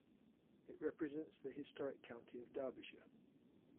It represents the historic county of Derbyshire.